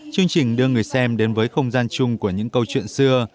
chương trình đưa người xem đến với không gian chung của những câu chuyện xưa